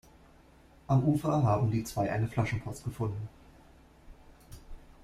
Am Ufer haben die zwei eine Flaschenpost gefunden.